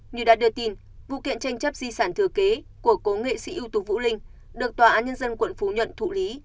như đã đưa tin vụ kiện tranh chấp di sản thừa kế của cố nghệ sĩ ưu tú vũ linh được tòa án nhân dân quận phú nhuận thụ lý